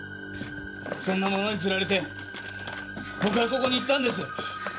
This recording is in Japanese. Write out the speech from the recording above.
そんなものにつられて僕はそこに行ったんです。